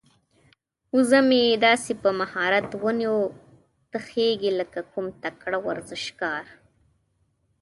وزه مې داسې په مهارت ونو ته خيږي لکه کوم تکړه ورزشکار.